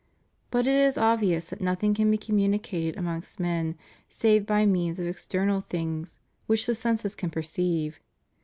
But it is obvious that nothing can be communicated amongst men save by means of external things which the senses can preceive.